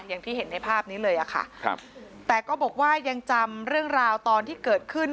อย่างที่เห็นในภาพนี้เลยอะค่ะครับแต่ก็บอกว่ายังจำเรื่องราวตอนที่เกิดขึ้น